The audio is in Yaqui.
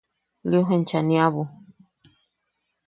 –Lios enchaniabu.